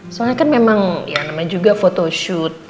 soalnya kan memang namanya juga foto shoot